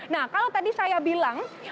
nah kalau tadi saya bilang